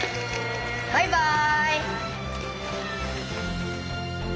バイバイ。